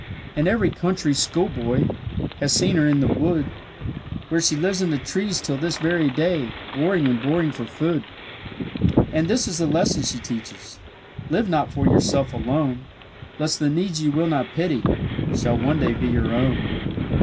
And every country schoolboy Has seen her in the wood; Where she lives in the trees till this very day, Boring and boring for food. And this is the lesson she teaches: Live not for yourself alone, Lest the needs you will not pity Shall one day be your own.